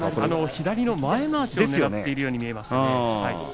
左の前まわしを矢後はねらっているように見えました。